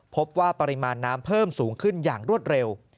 พบว่าปริมาณน้ำเพิ่มสูงขึ้นอย่างรวดเร็ว